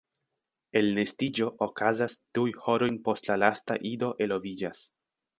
Elnestiĝo okazas tuj horojn post la lasta ido eloviĝas.